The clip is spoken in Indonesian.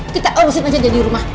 kita urusin aja jadi rumah